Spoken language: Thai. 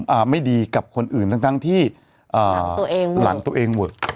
อ่าไม่ดีกับคนอื่นทั้งทั้งที่อ่าหลังตัวเองหลังตัวเองเวอะ